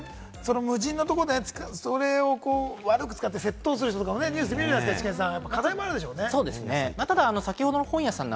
無人のところで、それを悪く使って窃盗する人とかもニュースで見るじゃないですか、イシケンさん。